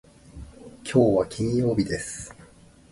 きょうは金曜日です。